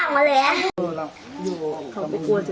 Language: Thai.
นี่เห็นจริงตอนนี้ต้องซื้อ๖วัน